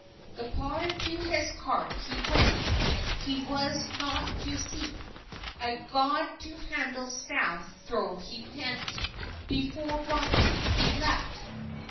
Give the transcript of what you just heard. The potter to hes cart he went, He was not to seke; A god to hande staffe therowt he hent, Befor Roben he lepe.